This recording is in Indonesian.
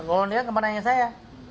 kalau dia kemana nanya saya